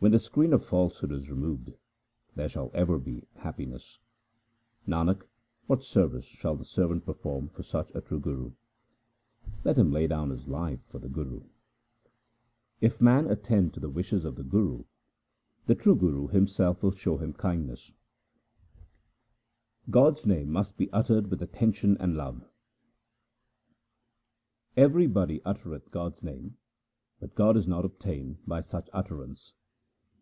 When the screen of falsehood is removed, there shall ever be happiness. Nanak, what service shall the servant perform for such a true Guru ? Let him lay down his life for the Guru. 1 Sawarian also means to adorn. 2 That is, to idols. HYMNS OF GURU AMAR DAS 197 If man attend to the wishes of the Guru, the true Guru himself will show him kindness. God's name must be uttered with attention and love :— Everybody uttereth God's name, but God is not obtained by such utterance.